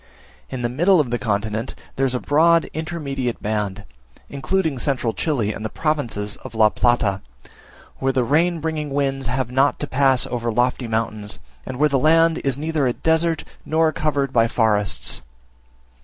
In the middle of the continent there is a broad intermediate band, including central Chile and the provinces of La Plata, where the rain bringing winds have not to pass over lofty mountains, and where the land is neither a desert nor covered by forests.